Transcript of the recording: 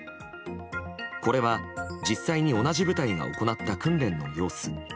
これは、実際に同じ部隊が行った訓練の様子。